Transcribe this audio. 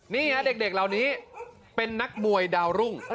เด็กเหล่านี้เป็นนักมวยดาวรุ่ง